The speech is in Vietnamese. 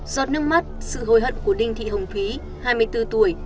giọt nước mắt sự hồi hận của đinh thị hồng thúy hai mươi bốn tuổi